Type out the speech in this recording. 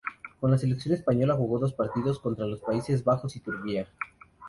Con la selección española jugó dos partidos, contra los Países Bajos y Turquía.